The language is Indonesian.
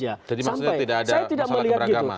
jadi maksudnya tidak ada masalah keberagaman